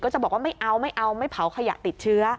จะบอกว่าไม่เอาไม่เอาไม่เผาขยะติดเชื้อ